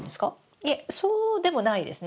いえそうでもないですね。